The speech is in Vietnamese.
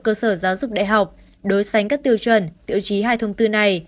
cơ sở giáo dục đại học đối sánh các tiêu chuẩn tiêu chí hai thông tư này